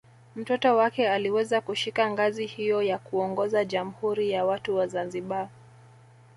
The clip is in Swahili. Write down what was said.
Mtoto wake aliweza kushika ngazi hiyo ya kuongoza Jamhuri ya watu wa Zanzibar